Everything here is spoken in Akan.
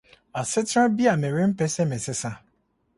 Asetra Bi a Merempɛ sɛ Mesesa